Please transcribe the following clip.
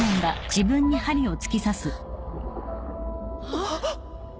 あっ。